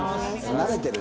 慣れてる。